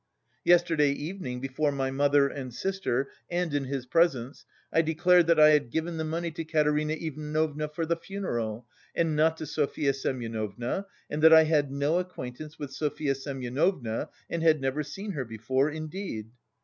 Yesterday evening, before my mother and sister and in his presence, I declared that I had given the money to Katerina Ivanovna for the funeral and not to Sofya Semyonovna and that I had no acquaintance with Sofya Semyonovna and had never seen her before, indeed.